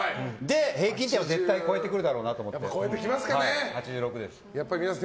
平均点は絶対超えてくるだろうなと思ってやっぱり皆さん